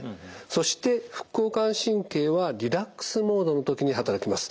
そして副交感神経はリラックスモードの時に働きます。